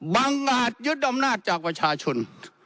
อาจยึดอำนาจจากประชาชน